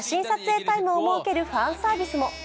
撮影タイムを設けるファンサービスも。